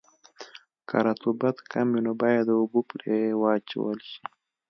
که رطوبت کم وي نو باید اوبه پرې واچول شي